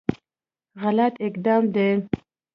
غلط اقدام دی.